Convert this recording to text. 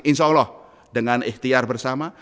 insyaallah dengan ikhtiar bersama